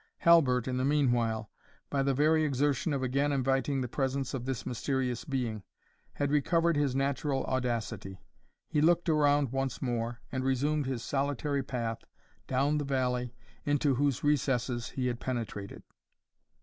Halbert, in the meanwhile, by the very exertion of again inviting the presence of this mysterious Being, had recovered his natural audacity. He looked around once more, and resumed his solitary path down the valley into whose recesses he had penetrated.